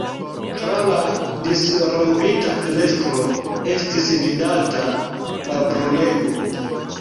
Tra la disrompita fenestro estis vidata la brulego.